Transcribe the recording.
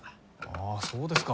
ああそうですか。